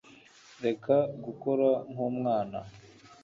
reka gukora nk'umwana